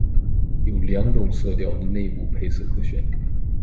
有两种色调的内部配色可选。